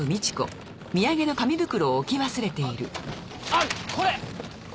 あっこれ！